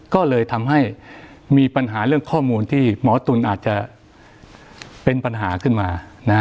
ก็เลยทำให้มีปัญหาเรื่องข้อมูลที่หมอตุ๋นอาจจะเป็นปัญหาขึ้นมา